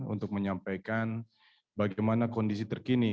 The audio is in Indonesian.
untuk menyampaikan bagaimana kondisi terkini